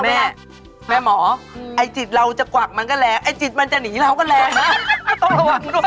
แม่แม่หมอไอ้จิตเราจะกวักมันก็แรงไอ้จิตมันจะหนีเราก็แรงนะต้องระวังด้วย